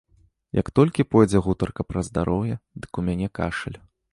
Як толькі пойдзе гутарка пра здароўе, дык у мяне кашаль.